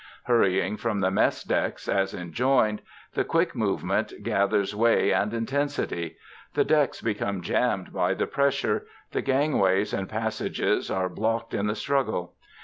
Hurrying from the mess decks as enjoined, the quick movement gathers way and intensity: the decks become jammed by the pressure, the gangways and passages are blocked in the struggle.